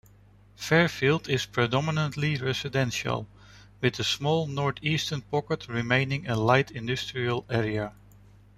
Fairfield is predominantly residential, with a small north-eastern pocket remaining a light industrial area.